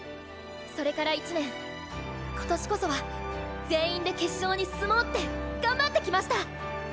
それから１年今年こそは全員で決勝に進もうって頑張ってきました！